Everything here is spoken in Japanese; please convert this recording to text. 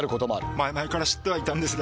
前々から知ってはいたんですが。